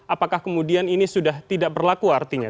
apakah kemudian ini sudah tidak berlaku artinya